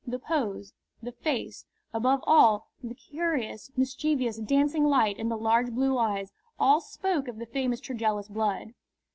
The pose, the face, above all the curious, mischievous, dancing light in the large blue eyes, all spoke of the famous Tregellis blood.